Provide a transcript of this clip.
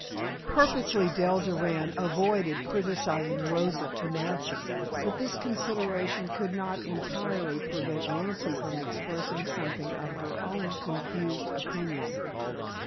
Purposely Dell Durand avoided criticizing Rosa to Nancy, but this consideration could not entirely prevent Nancy from expressing something of her own confused opinion.